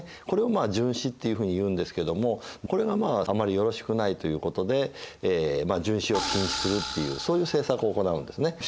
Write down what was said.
これを殉死っていうふうに言うんですけどもこれがまああまりよろしくないということで殉死を禁止するっていうそういう政策を行うんですね。